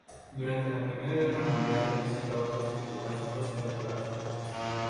Durante la Primera Guerra Mundial realizó trabajos topográficos cartográficos.